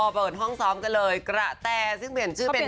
เปิดห้องซ้อมกันเลยกระแต่ซึ่งเปลี่ยนชื่อเป็น